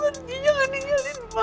jangan pergi jangan ngingetin mama